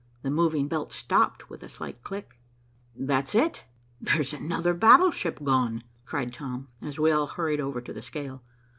The moving belt stopped with a slight click. "That's it. There's another battleship gone," cried Tom, as we all hurried over to the scale.